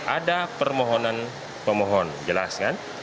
ada permohonan pemohon jelas kan